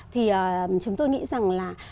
thì chúng tôi nghĩ rằng là